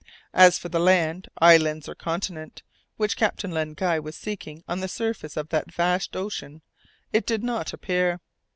As for the land islands or continent which Captain Len Guy was seeking on the surface of that vast ocean, it did not appear.